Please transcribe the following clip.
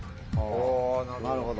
あなるほど。